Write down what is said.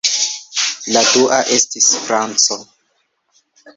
La dua estis franco.